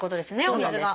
お水が。